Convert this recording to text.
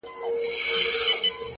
زده کړه د کشف دوامداره سفر دی